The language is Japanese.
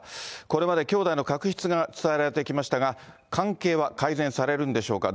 これまで兄弟の確執が伝えられてきましたが、関係は改善されるんでしょうか。